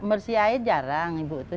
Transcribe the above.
ya membersih air jarang ibu